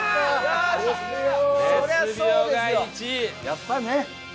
やっぱりね。